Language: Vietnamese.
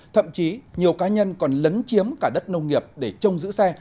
thậm chí nhiều cá nhân còn lấn chiếm cả đất nông nghiệp để trông giữ xe